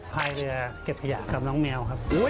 พายเรือเก็บขยะกับน้องแมวครับ